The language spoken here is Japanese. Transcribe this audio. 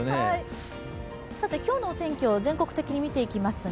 今日のお天気を全国的に見ていきますが。